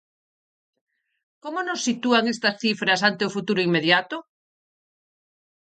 Como nos sitúan estas cifras ante o futuro inmediato?